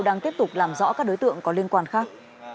đang tiếp tục làm rõ các đối tượng có liên quan khác